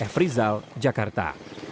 f rizal jakarta